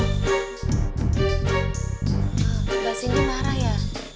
mbak cin tuh marah ya